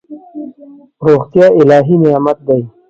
روغتیا الهي نعمت دی.